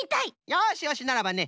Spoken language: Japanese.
よしよしならばね